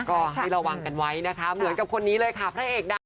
ก็ให้ระวังกันไว้นะคะเหมือนกับคนนี้เลยค่ะพระเอกดัง